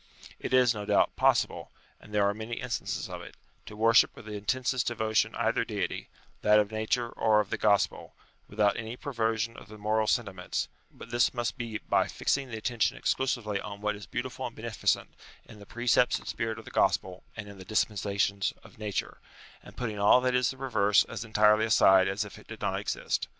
It is, no doubt, possible (and there are many instances of it) to worship with the intensest devotion either Deity, that of Nature or of the Gospel, without any perversion of the moral sentiments : but this must be by fixing the attention exclusively on what is beautiful and beneficent in the precepts and spirit of the Gospel and in the dispensations of Nature, and 116 UTILITY OF RELIGION putting all that is the reverse as entirely aside as if it did not exist.